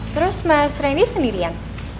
terus mas rendy sendirian